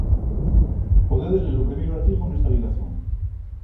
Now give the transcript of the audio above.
Podedes ler o primeiro artigo nesta ligazón.